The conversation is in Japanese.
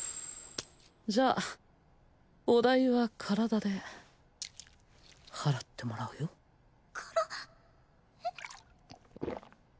じゃあお代はカラダで払ってもらうよカラえ！？